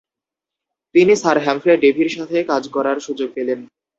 তিনি sir Humphrey ডেভির সাথে কাজ করার সুযোগ পেলেন।